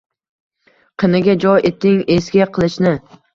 Qiniga jo eting eski qilichni